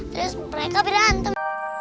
terus mereka berantem